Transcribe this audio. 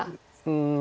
うん。